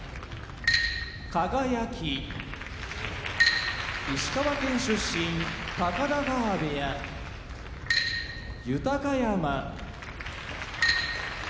輝石川県出身高田川部屋豊山新潟県出身